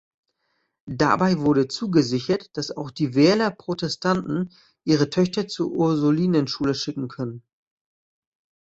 Dabei wurde zugesichert, dass auch die Werler Protestanten ihre Töchter zur Ursulinenschule schicken können.